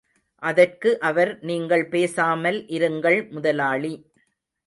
அதற்கு அவர் நீங்கள் பேசாமல் இருங்கள் முதலாளி.